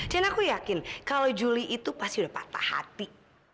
dan aku yakin kalau juli itu pasti udah patah hati